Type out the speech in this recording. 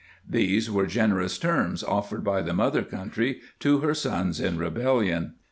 These were generous terms offered by the mother country to her sons in rebel lion.